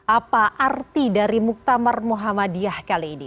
apa arti dari muktamar muhammadiyah kali ini